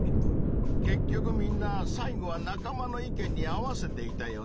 結局みんな最後は仲間の意見に合わせていたよね！